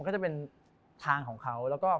จะเป็นทางของเขาก็จริง